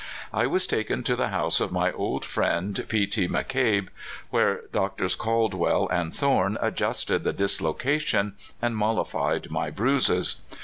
I was taken to the house of my old friend, P. T. McCabe, where Drs. Caldwefl and Thorne adjusted the dislocation and mollified my bruises.